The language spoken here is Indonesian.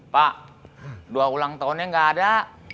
pak dua ulang tahunnya nggak ada